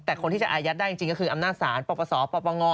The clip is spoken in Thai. แต่คนที่จะอายัดได้จริงคืออำนาจศาลปรับประสอบปรับประงอ